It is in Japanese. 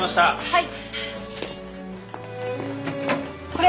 はい。